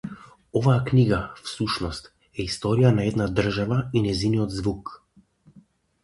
Оваа книга, всушност, е историја на една држава и нејзиниот звук.